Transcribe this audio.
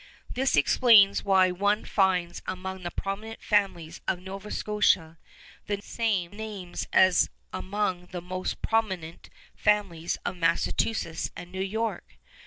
This explains why one finds among the prominent families of Nova Scotia the same names as among the most prominent families of Massachusetts and New York.